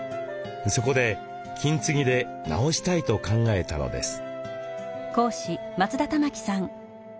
そこで金継ぎで直したいと考えたのです。